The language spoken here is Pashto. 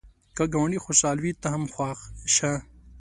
که ګاونډی خوشحال وي، ته هم خوښ شه